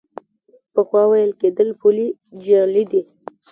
پخوا ویل کېدل پولې جعلي دي.